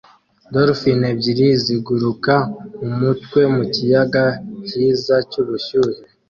Dolphine ebyiri ziguruka mumutwe mukiyaga cyiza cyubushyuhe